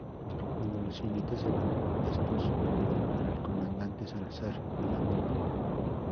Cuando los jinetes se van, estos van a llamar al comandante Salazar pidiendo apoyo.